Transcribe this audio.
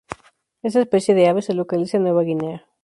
Esta especie de ave se localiza en Nueva Guinea.